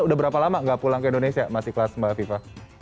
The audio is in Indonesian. udah berapa lama nggak pulang ke indonesia mas ikhlas mbak viva